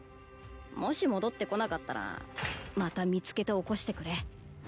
もし戻ってこなかったらまた見つけて起こしてくれ。